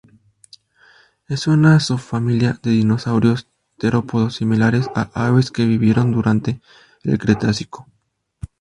Es una subfamilia de dinosaurios terópodos similares a aves que vivieron durante el Cretácico.